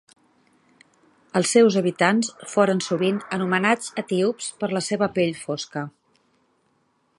Els seus habitants foren sovint anomenats etíops per la seva pell fosca.